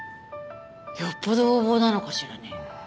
よっぽど横暴なのかしらね。